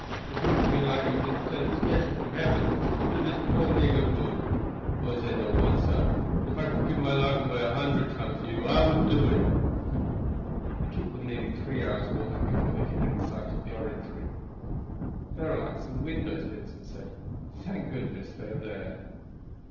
It seems to me like as if you been sent special from heben to do dis poor nigger good. Words ain't no good, sah; but if I could give my life away a hundred times for you I would do it." It took them nearly three hours' walking before they came in sight of the Orangery. "There are lights in the windows," Vincent said. "Thank goodness they are there."